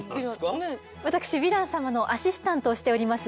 私ヴィラン様のアシスタントをしております